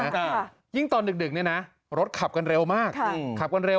ค่ะยิ่งตอนดึกดึกเนี่ยนะรถขับกันเร็วมากอืมขับกันเร็ว